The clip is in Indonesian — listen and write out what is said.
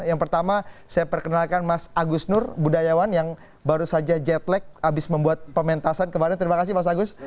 yang pertama saya perkenalkan mas agus nur budayawan yang baru saja jetlack abis membuat pementasan kemarin terima kasih mas agus